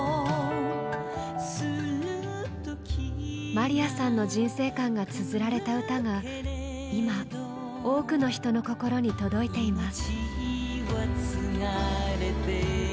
まりやさんの人生観がつづられた歌が今多くの人の心に届いています。